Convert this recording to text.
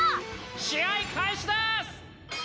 試合開始です！